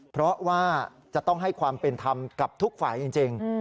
เพราะว่าจะต้องให้ความเป็นธรรมกับทุกฝ่ายจริง